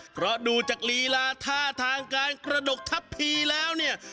เพราะดูจากลีลาท่าทางการกระดกทัพพีแล้วเนี่ย